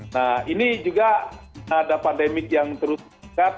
nah ini juga ada pandemi yang terus berkat